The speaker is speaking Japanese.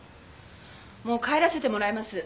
もう帰らせてもらいます。